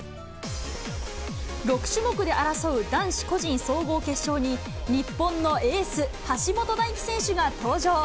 ６種目で争う男子個人総合決勝に、日本のエース、橋本大輝選手が登場。